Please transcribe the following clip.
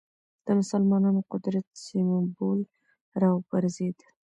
د مسلمانانو قدرت سېمبول راوپرځېد